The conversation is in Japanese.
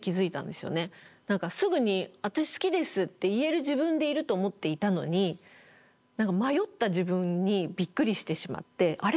何かすぐに「私好きです」って言える自分でいると思っていたのに何か迷った自分にびっくりしてしまって「あれ？